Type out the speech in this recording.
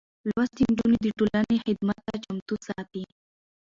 لوستې نجونې د ټولنې خدمت ته چمتو ساتي.